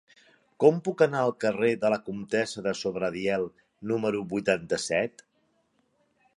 Com puc anar al carrer de la Comtessa de Sobradiel número vuitanta-set?